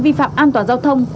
vi phạm an toàn giao thông